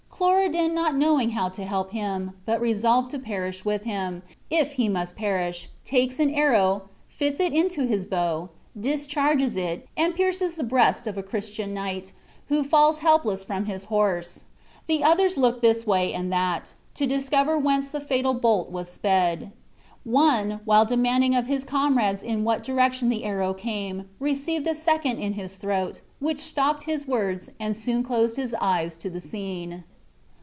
Cloridan not knowing how to help him, but resolved to perish with him, if he must perish, takes an arrow, fits it to his bow, discharges it, and pierces the breast of a Christian knight, who falls helpless from his horse. The others look this way and that, to discover whence the fatal bolt was sped. One, while demanding of his comrades in what direction the arrow came, received a second in his throat, which stopped his words, and soon closed his eyes to the scene.